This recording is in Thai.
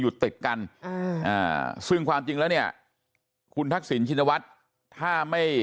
อยู่ติดกันอ่าซึ่งความจริงแล้วเนี่ยคุณทักษิณชินวัฒน์ถ้าไม่